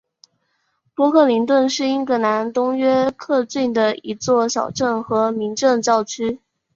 波克灵顿是英格兰东约克郡的一座小镇和民政教区。